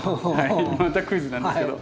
またクイズなんですけど。